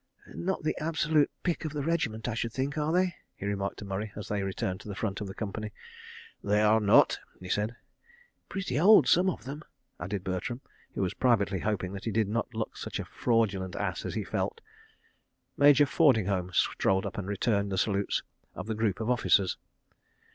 "Not the absolute pick of the regiment, I should think, are they?" he remarked to Murray, as they returned to the front of the company. "They are not," he said. "Pretty old, some of them," added Bertram, who was privately hoping that he did not look such a fraudulent Ass as he felt. Major Fordinghame strolled up and returned the salutes of the group of officers.